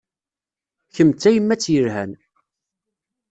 Kemm d tayemmat yelhan.